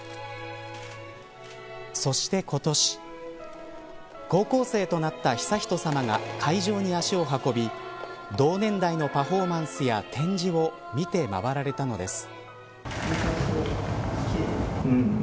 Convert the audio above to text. そして今年高校生となった悠仁さまが会場に足を運び同年代のパフォーマンスや展示を見て回られたのです。